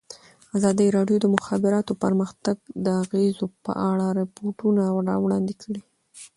ازادي راډیو د د مخابراتو پرمختګ د اغېزو په اړه ریپوټونه راغونډ کړي.